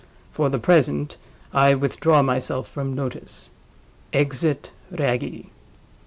For the present, I withdraw myself from notice. Exit Wragge.